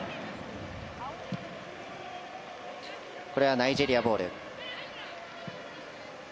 これはナイジェリアボール。